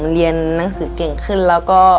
เรียนหนังสือเก่งขึ้นแล้วก็